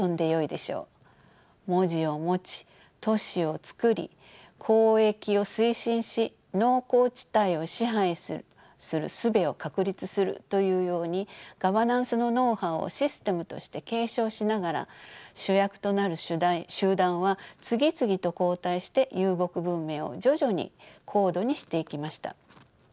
文字を持ち都市を作り交易を推進し農耕地帯を支配するすべを確立するというようにガバナンスのノウハウをシステムとして継承しながら主役となる集団は次々と交代して遊牧文明を徐々に高度にしていきました。